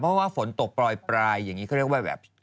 เพราะว่าฝนตกปล่อยปลายอย่างนี้เขาเรียกว่าแบบ